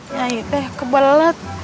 nyai teh kebelet